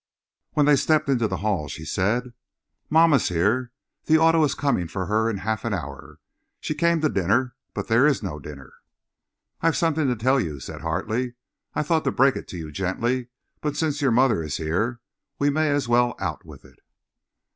When they stepped into the hall she said: "Mamma's here. The auto is coming for her in half an hour. She came to dinner, but there's no dinner." "I've something to tell you," said Hartley. "I thought to break it to you gently, but since your mother is here we may as well out with it."